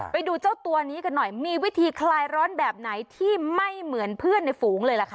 ไปดูเจ้าตัวนี้กันหน่อยมีวิธีคลายร้อนแบบไหนที่ไม่เหมือนเพื่อนในฝูงเลยล่ะค่ะ